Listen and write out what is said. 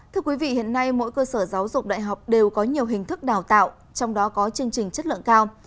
thưa quý vị hiện nay mỗi cơ sở giáo dục đại học đều có nhiều hình thức đào tạo trong đó có chương trình chất lượng cao